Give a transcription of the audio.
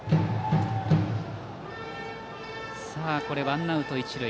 ワンアウト一塁。